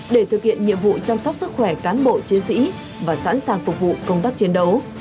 để thực hiện nhiệm vụ chăm sóc sức khỏe cán bộ chiến sĩ và sẵn sàng phục vụ công tác chiến đấu